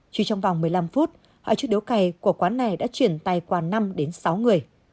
chỉ trong vòng một mươi năm phút hỏi chức đéo cày của quán này đã chuyển tay qua năm đến sáu người